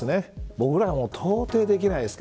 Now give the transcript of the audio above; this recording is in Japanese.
僕らには到底できないことです。